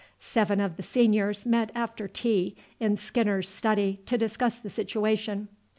Seven of the seniors met after tea in Skinner's study to discuss the situation.